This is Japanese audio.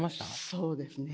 そうですね。